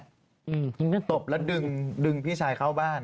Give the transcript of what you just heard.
จนก็ตบแล้วดึงพี่ชายเข้าบ้าน